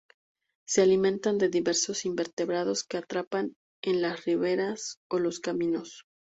Se alimentan de diversos invertebrados que atrapan en las riberas o los caminos.